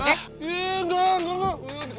iya enggak enggak enggak